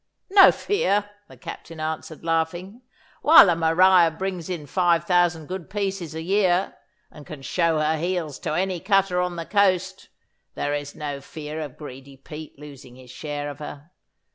'No fear,' the Captain answered, laughing. 'While the Maria brings in five thousand good pieces a year, and can show her heels to any cutter on the coast, there is no fear of greedy Pete losing his share of her.